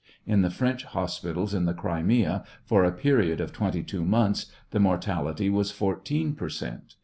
; in the French hospitals in the Crimea, for a period of twenty two months, the mortality was 14 per cent.